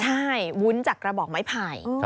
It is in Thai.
ใช่วุ้นจากกระบอกไม้ไผ่